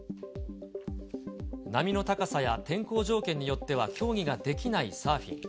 波の高さや天候条件によっては競技ができないサーフィン。